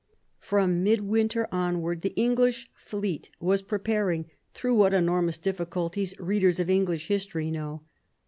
From mid winter onward, the English fleet was pre paring ; through what enormous difficulties, readers of English history know.